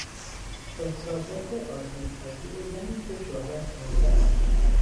احساسات آسیبپذیر زنی که شوهرش مرده است